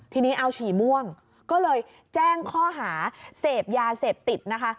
ทีนี้เอาฉี่ม่วงก็เลยแจ้งข้อหาเสพยาเสพติดนะคะ